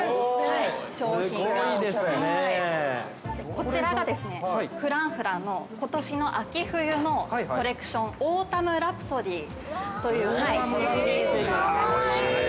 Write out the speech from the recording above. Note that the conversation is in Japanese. ◆こちらがフランフランの秋冬のコレクションオータムラプソディーというシリーズになります。